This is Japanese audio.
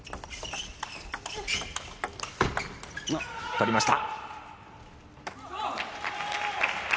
取りました。